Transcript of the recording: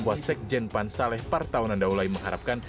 wasek jenpan saleh partaunan daulai mengharapkan